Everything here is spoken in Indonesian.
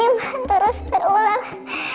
ini terus berulang